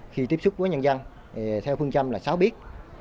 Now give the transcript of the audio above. khi tiếp xúc với nhân dân thì theo phương châm là sáu biết